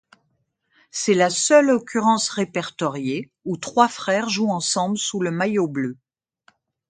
C'est la seule occurrence répertoriée où trois frères jouent ensemble sous le maillot bleu.